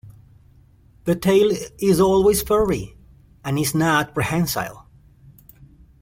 The tail is always furry and is not prehensile.